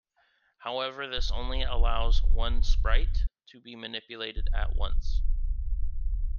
However, this only allows one "sprite" to be manipulated at once.